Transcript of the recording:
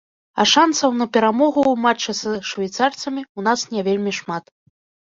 А шанцаў на перамогу ў матчы са швейцарцамі ў нас не вельмі шмат.